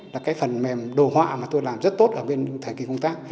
là cái phần mềm đồ họa mà tôi làm rất tốt ở bên thời kỳ công tác